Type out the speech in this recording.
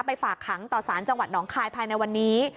ฝากขังต่อสารจังหวัดหนองคายภายในวันนี้